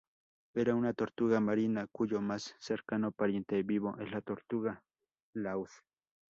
Era una tortuga marina, cuyo más cercano pariente vivo es la tortuga laúd.